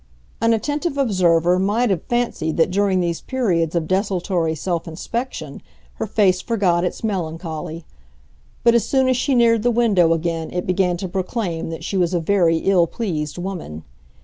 An attentive observer might have fancied that during these periods of desultory self inspection her face forgot its melancholy; but as soon as she neared the window again it began to proclaim that she was a very ill pleased woman.